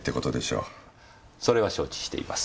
それは承知しています。